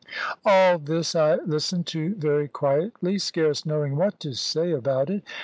All this I listened to very quietly, scarce knowing what to say about it.